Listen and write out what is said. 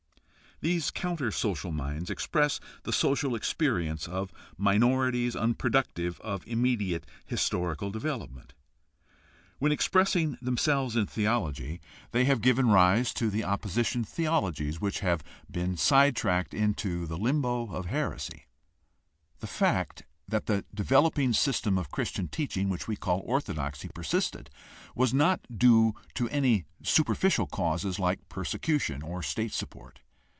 These counter social minds express the social experience of minorities unproductive of immediate historical develop ment. When expressing themselves in theology, they have THE HISTORICAL STUDY OF RELIGION 53 given rise to the opposition theologies which have been side tracked into the Umbo of heresy. The fact that the developing system of Christian teaching which we call orthodoxy per sisted was not due to any superficial causes like persecution or state support.